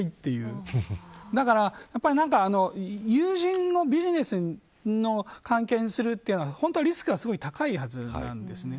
だから、友人をビジネスの関係するというのはリスクが高いはずなんですね。